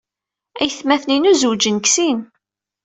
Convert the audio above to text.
Aytmaten-inu zewjen deg sin.